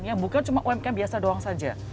yang bukan cuma umkm biasa doang saja